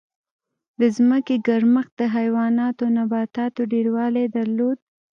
د ځمکې ګرمښت د حیواناتو او نباتاتو ډېروالی درلود.